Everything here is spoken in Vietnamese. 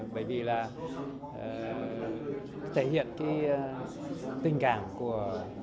bởi vì là thể hiện tình cảm của